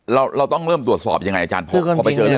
เราต้องเริ่มตรวจสอบยังไงอาจารย์พอไปเจอ